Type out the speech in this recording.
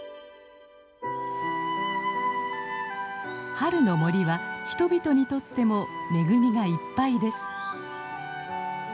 春の森は人々にとっても恵みがいっぱいです。